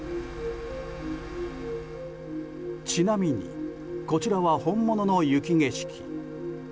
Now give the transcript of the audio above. ちなみにこちらは本物の雪景色。